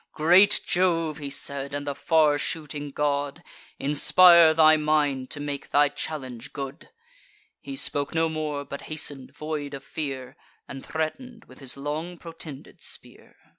"Great Jove," he said, "and the far shooting god, Inspire thy mind to make thy challenge good!" He spoke no more; but hasten'd, void of fear, And threaten'd with his long protended spear.